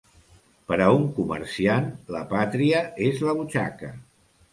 Per a un comerciant, la pàtria és la butxaca.